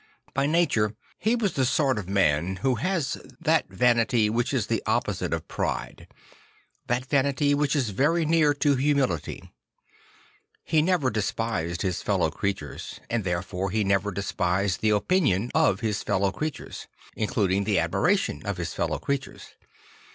By nature he was the sort of man who has that Le Jongleur de Dieu 81 vanity which is the opposite of pride; that vanity which is very near to humility, He never despised his fellow creatures and therefore he never despised the opinion of his fellow creatures; including the admiration of his fellow creatures.